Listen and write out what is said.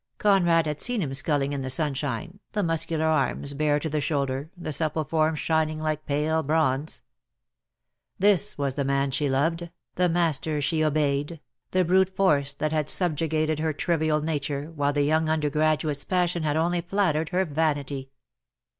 Conrad had seen him sculling in the sunshine, the muscular arms bare to the shoulder, the supple form shining like pale bronze. This was the man she loved, the master she obeyed, the brute force that had subjugated her trivial nature, while the young undergraduate's pas sion had only flattered her vanity.